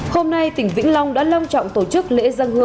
hãy đăng ký kênh để ủng hộ kênh của chúng mình nhé